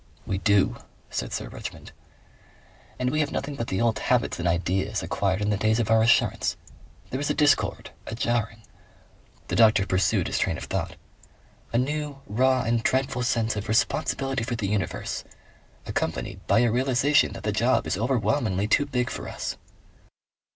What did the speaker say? "We do," said Sir Richmond. "And we have nothing but the old habits and ideas acquired in the days of our assurance. There is a discord, a jarring." The doctor pursued his train of thought. "A new, raw and dreadful sense of responsibility for the universe. Accompanied by a realization that the job is overwhelmingly too big for us."